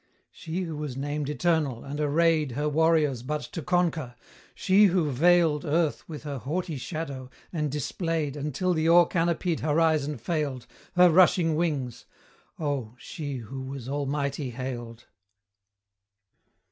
She who was named eternal, and arrayed Her warriors but to conquer she who veiled Earth with her haughty shadow, and displayed Until the o'er canopied horizon failed, Her rushing wings Oh! she who was almighty hailed!